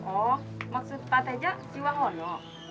oh maksud pak tejak jiwa holo